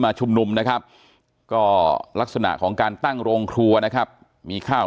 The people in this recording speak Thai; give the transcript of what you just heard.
ชุมนุมนะครับก็ลักษณะของการตั้งโรงครัวนะครับมีข้าว